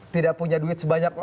tidak punya duit sebanyak